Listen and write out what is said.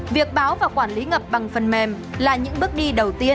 việc báo và quản lý ngập bằng phần mềm là những bước đi đầu tiên